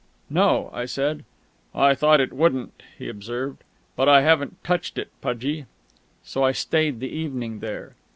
"No," I said. "I thought it wouldn't," he observed. "But I haven't touched it, Pudgie " So I stayed the evening there.